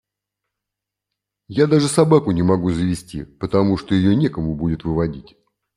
Я даже собаку не могу завести, потому что ее некому будет выводить.